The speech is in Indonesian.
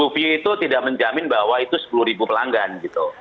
sepuluh view itu tidak menjamin bahwa itu sepuluh pelanggan gitu